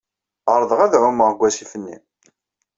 Ɛerḍeɣ ad ɛumeɣ deg wasif-nni.